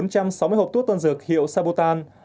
bốn trăm sáu mươi hộp thuốc tân dược hiệu sabotan